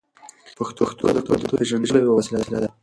پښتو د کلتور د پیژندلو یوه وسیله ده.